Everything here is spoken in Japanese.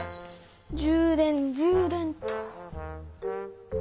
充電充電っと。